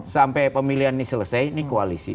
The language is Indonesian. sampai pemilihan ini selesai ini koalisi